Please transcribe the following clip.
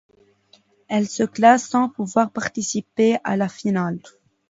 Elle se classe sans pouvoir participer à la finale.